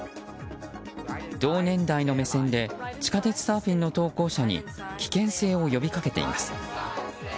同年代の目線で地下鉄サーフィンの投稿者に危険性を呼びかけています。